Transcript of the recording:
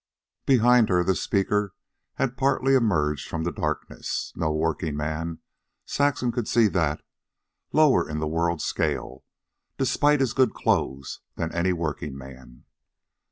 Behind her the speaker had partly emerged from the darkness. No workingman, Saxon could see that lower in the world scale, despite his good clothes, than any workingman.